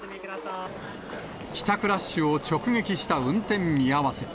帰宅ラッシュを直撃した運転見合わせ。